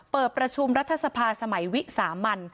เปิดประชุมรัฐสภาสมัยวิสามัน